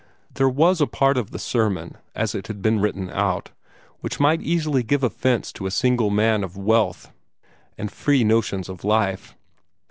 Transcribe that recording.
There was a part of the sermon, as it had been written out, which might easily give offence to a single man of wealth and free notions of life.